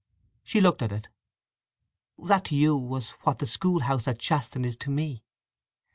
She looked at it. "That to you was what the school house at Shaston is to me."